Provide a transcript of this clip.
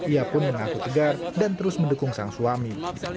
ia pun mengaku tegar dan terus mendukung sang suami